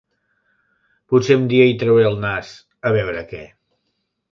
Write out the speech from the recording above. Potser un dia hi trauré el nas, a veure què.